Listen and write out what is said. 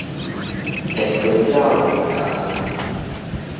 會吠的狗，袂咬人